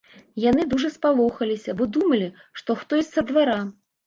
Яны дужа спалохаліся, бо думалі, што хтось са двара.